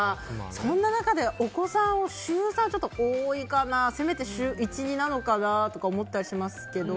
そんな中でお子さんを週３は多いかなせめて週１２なのかなと思ったりしますけど。